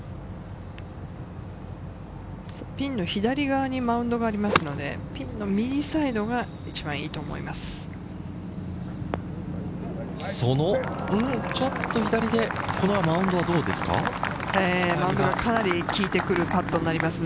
ピンの左側にマウンドがありますので、ピンの右サイドが一番いいと思います。